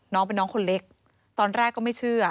น้องเป็นน้องคนเล็กตอนแรกก็ไม่เชื่อ